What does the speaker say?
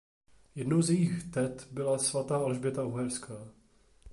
Jednou z jejích tet byla svatá Alžběta Uherská.